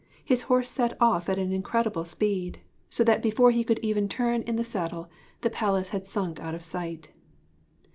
His horse set off at an incredible speed, so that before he could even turn in the saddle the palace had sunk out of sight.